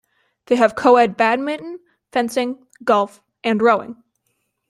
They have co-ed badminton, fencing, golf and rowing.